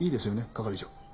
係長。